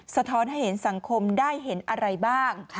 สะท้อนให้เห็นสังคมได้เห็นอะไรบ้าง